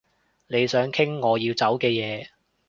你想傾我要走嘅嘢